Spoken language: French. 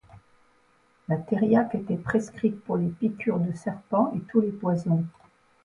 La thériaque était prescrite pour les piqures de serpents et tous les poisons.